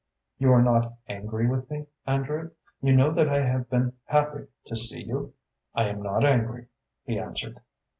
"You are not angry with me, Andrew? You know that I have been happy to see you?" "I am not angry," he answered.